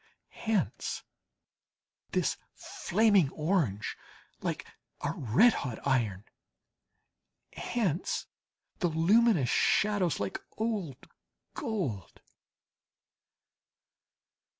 Hence this flaming orange, like a red hot iron; hence the luminous shadows like old gold.